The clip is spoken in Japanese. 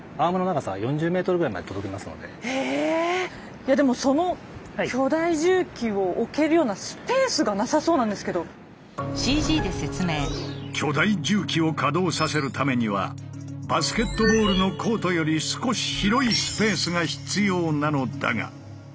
⁉いやでもその巨大重機を置けるような巨大重機を稼働させるためにはバスケットボールのコートより少し広いスペースが必要なのだが。